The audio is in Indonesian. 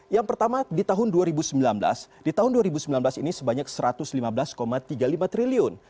yang pertama di tahun dua ribu sembilan belas di tahun dua ribu sembilan belas ini sebanyak satu ratus lima belas tiga puluh lima triliun